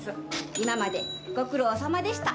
今までご苦労様でした。